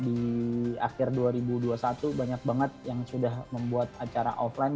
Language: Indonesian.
di akhir dua ribu dua puluh satu banyak banget yang sudah membuat acara offline